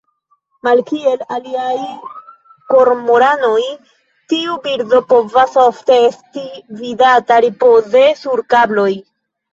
Malkiel aliaj kormoranoj, tiu birdo povas ofte esti vidata ripoze sur kabloj.